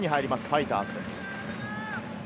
ファイターズです。